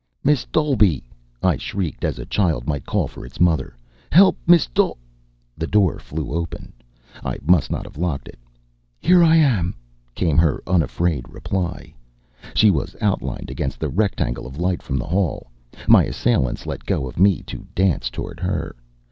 "Miss Dolby!" I shrieked, as a child might call for its mother. "Help! Miss D " The door flew open; I must not have locked it. "Here I am," came her unafraid reply. She was outlined against the rectangle of light from the hall. My assailants let go of me to dance toward her.